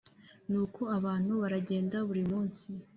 Nuko abantu baragenda buri munsi